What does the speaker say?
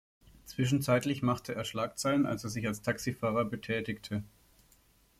Zwischenzeitlich machte er Schlagzeilen, als er sich als Taxifahrer betätigte.